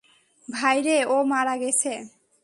ভাইরে, ও মারা গেছে!